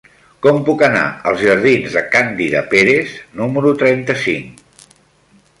Com puc anar als jardins de Càndida Pérez número trenta-cinc?